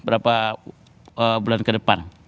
berapa bulan ke depan